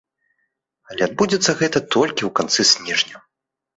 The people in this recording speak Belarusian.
Але адбудзецца гэта толькі ў канцы снежня.